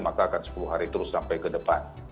maka akan sepuluh hari terus sampai ke depan